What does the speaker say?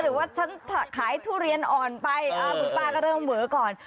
หรือว่าฉันขายทุเรียนอ่อนไปคุณป้าก็เริ่มเวอก่อน